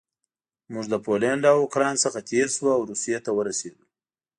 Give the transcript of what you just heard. موږ له پولنډ او اوکراین څخه تېر شوو او روسیې ته ورسېدو